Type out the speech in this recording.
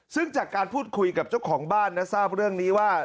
ซึ่งจากการพูดคุยกับเจ้าของบ้านนะทราบเรื่องนี้ว่า